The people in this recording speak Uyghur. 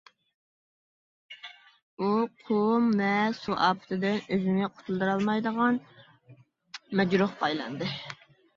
ئۇ قۇم ۋە سۇ ئاپىتىدىن ئۆزىنى قۇتۇلدۇرالمايدىغان مەجرۇھقا ئايلاندى.